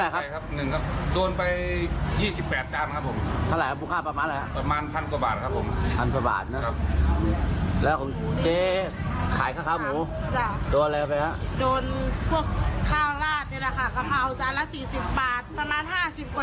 ก็เกือบ๓๐๐๐บาทกว่าค่ะ